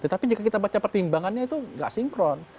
tetapi jika kita baca pertimbangannya itu nggak sinkron